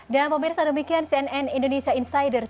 dan pemirsa demikian cnn indonesia insiders